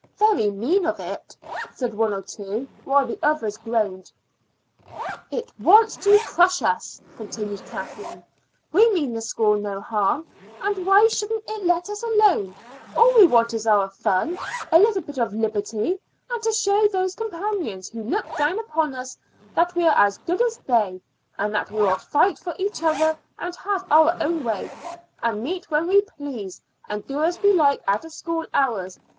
"Very mean of it!" said one or two, while the others groaned. "It wants to crush us," continued Kathleen. "We mean the school no harm, and why shouldn't it let us alone? All we want is our fun, a little bit of liberty, and to show those companions who look down upon us that we are as good as they, and that we will fight for each other, and have our own way, and meet when we please, and do as we like out of school hours.